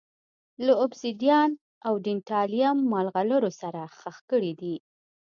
له اوبسیدیان او ډینټالیم مرغلرو سره ښخ کړي دي